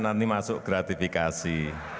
nanti masuk gratifikasi